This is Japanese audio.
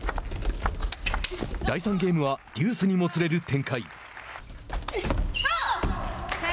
第３ゲームはデュースにもつれる展開。